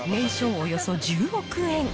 およそ１０億円。